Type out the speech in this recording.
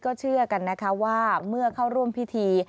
ก็เชื่อกันนะคะว่าเมื่อเข้าร่วมพิธี